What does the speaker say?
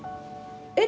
「え？」